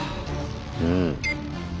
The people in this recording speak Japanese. うん。